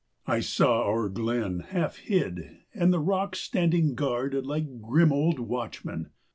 I saw our glen, half hid, and the rocks Standing guard like grim old watchmen.